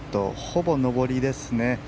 ほぼ上りですね。